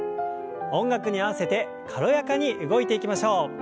音楽に合わせて軽やかに動いていきましょう。